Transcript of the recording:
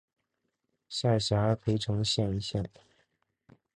下辖涪城县一县。